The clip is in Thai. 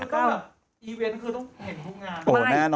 คือต้องแบบอีเว้นต์คือต้องเห็นพวกงาน